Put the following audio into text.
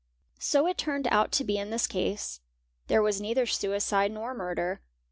So it turned out to be in this case. There was neither suicide nor murder.